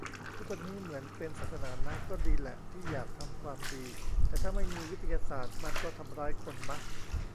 ทุกวันนี้เหมือนเป็นศาสนานะ ก็ดีแหละที่อยากทำความดี แต่ถ้าไม่มีวิทยาศาสตร์มันก็ทำร้ายคนมะ